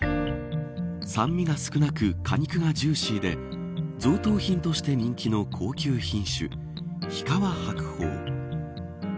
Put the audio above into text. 酸味が少なく果肉がジューシーで贈答品として人気の高級品種日川白鳳。